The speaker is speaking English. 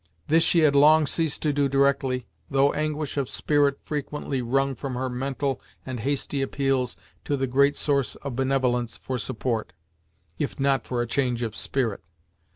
This she had long ceased to do directly, though anguish of spirit frequently wrung from her mental and hasty appeals to the great source of benevolence, for support, if not for a change of spirit.